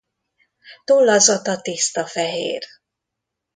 Tollazata tiszta fehér.